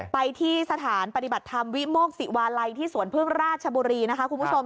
ไปที่สถานปฏิบัติธรรมวิโมกศิวาลัยที่สวนพึ่งราชบุรีนะคะคุณผู้ชม